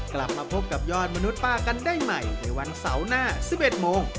กลับมาพบกับยอดมนุษย์ป้ากันได้ใหม่ในวันเสาร์หน้า๑๑โมง